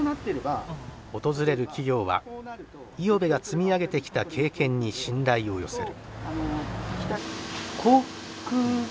訪れる企業は五百部が積み上げてきた経験に信頼を寄せる。